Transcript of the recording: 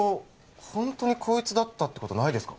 ホントにこいつだったってことないですか？